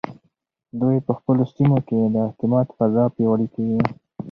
دوی په خپلو سیمو کې د اعتماد فضا پیاوړې کوي.